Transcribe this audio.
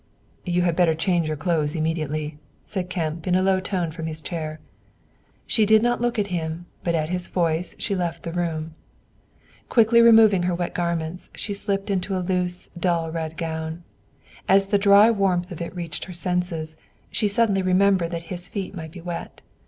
"You had better change your clothes immediately," said Kemp, in a low tone from his chair. She did not look at him, but at his voice she left the room. Quickly removing her wet garments, she slipped into a loose, dull red gown. As the dry warmth of it reached her senses, she suddenly remembered that his feet might be wet.